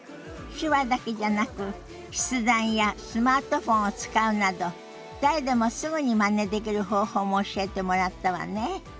手話だけじゃなく筆談やスマートフォンを使うなど誰でもすぐにまねできる方法も教えてもらったわね。